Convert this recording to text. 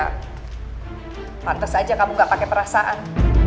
hai pantas aja kamu enggak pakai perasaan